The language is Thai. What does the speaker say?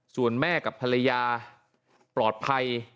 ส่วนแม่กับภรรยาปลอดภัย